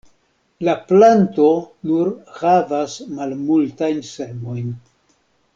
La planto nur havas malmultajn semojn.